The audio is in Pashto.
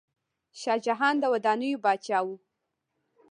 شاه جهان د ودانیو پاچا و.